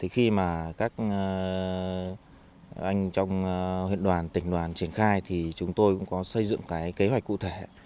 khi mà các anh trong huyện đoàn tỉnh đoàn triển khai thì chúng tôi cũng có xây dựng cái kế hoạch cụ thể